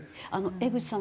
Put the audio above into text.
江口さん